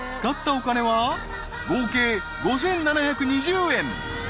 ［使ったお金は合計５，７２０円］